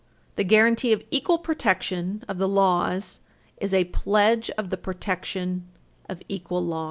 The guaranty of "equal protection of the laws is a pledge of the protection of equal laws."